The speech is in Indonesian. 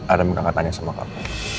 adam yang akan tanya sama kamu